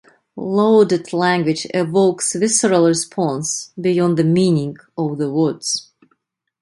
Loaded language evokes a visceral response beyond the meaning of the words.